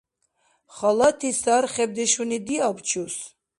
Халати сархибдешуни диаб чус.